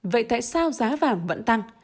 vậy tại sao giá vàng vẫn tăng